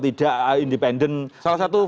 tidak independen salah satu